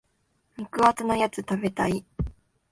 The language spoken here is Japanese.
肉厚なやつ食べたい。